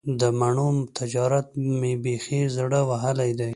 د مڼو تجارت مې بیخي زړه وهلی دی.